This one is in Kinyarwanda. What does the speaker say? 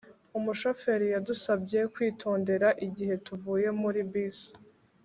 umushoferi yadusabye kwitondera igihe tuvuye muri bisi